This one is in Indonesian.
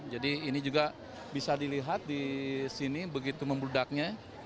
jadi ini juga bisa dilihat di sini begitu membudaknya